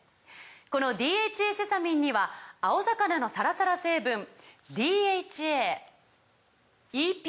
この「ＤＨＡセサミン」には青魚のサラサラ成分ＤＨＡＥＰＡ